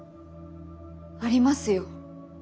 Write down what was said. ありますよ。